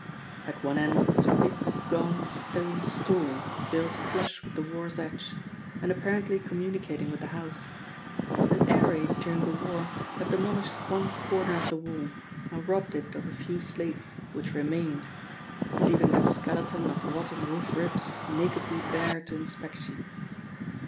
At one end was a big, gaunt, stone store, built flush with the wharf's edge, and apparently communicating with the house. An air raid during the war had demolished one comer of the wall, and robbed it of a few slates which remained, leaving the skeleton of rotting roof ribs nakedly bare to inspection.